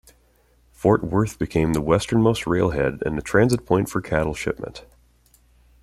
Fort Worth became the westernmost railhead and a transit point for cattle shipment.